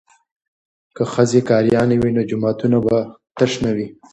که ښځې قاریانې وي نو جوماتونه به تش نه وي.